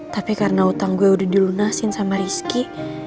tapi karena utang gue udah dilunasin sama rizky